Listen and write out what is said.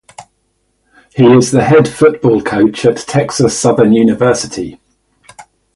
He is the head football coach at Texas Southern University.